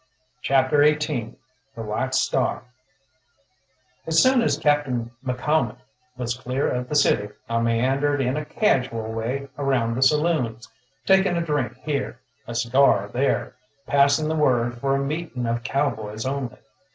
CHAPTER XVIII THE WHITE STAR As soon as Captain McCalmont was clear of the city I meandered in a casual way around the saloons, taking a drink here, a cigar there, passing the word for a meeting of cowboys only.